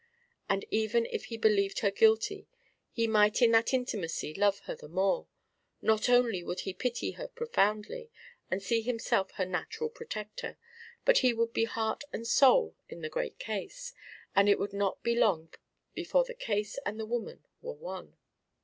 And even if he believed her guilty, he might in that intimacy love her the more; not only would he pity her profoundly and see himself her natural protector, but he would be heart and soul in the great case, and it would not be long before the case and the woman were one.